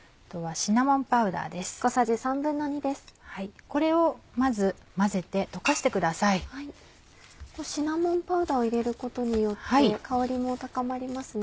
シナモンパウダーを入れることによって香りも高まりますね。